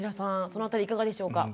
そのあたりいかがでしょうか？